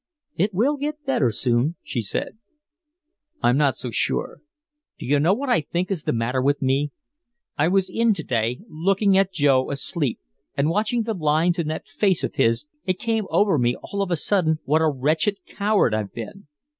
"It will get better soon," she said. "I'm not so sure. Do you know what I think is the matter with me? I was in to day looking at Joe asleep, and watching the lines in that face of his it came over me all of a sudden what a wretched coward I've been."